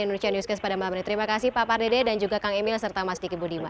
cnn indonesia newscast pada malam ini terima kasih pak pardede dan juga kang emil serta mas diki budiman